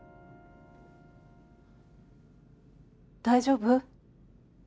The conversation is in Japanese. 大丈夫？